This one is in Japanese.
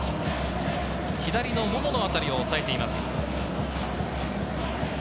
左のもものあたりを押さえています。